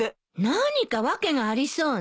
何か訳がありそうね。